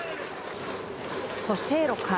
そして６回。